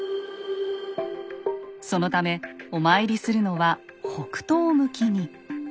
そのためお参りするのは北東向きに。